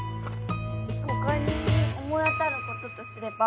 他に思い当たることとすれば。